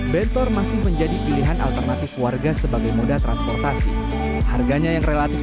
bentor masih menjadi pilihan alternatif warga sebagai moda transportasi harganya yang relatif